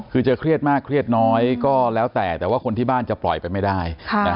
คือจะเครียดมากเครียดน้อยก็แล้วแต่แต่ว่าคนที่บ้านจะปล่อยไปไม่ได้